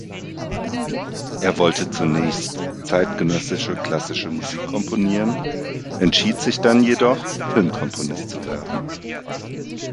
Er wollte zunächst zeitgenössische klassische Musik komponieren, entschied sich dann jedoch, Filmkomponist zu werden.